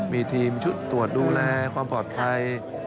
มีทีมชุดตรวจดูแลความปลอดภัย